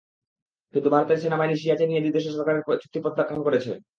কিন্তু ভারতের সেনাবাহিনী সিয়াচেন নিয়ে দুই দেশের সরকারের চুক্তি প্রত্যাখ্যান করেছে।